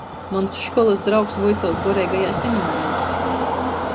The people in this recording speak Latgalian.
Muns školys draugs vuicuos goreigajā seminarā.